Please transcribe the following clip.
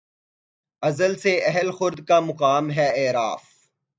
ازل سے اہل خرد کا مقام ہے اعراف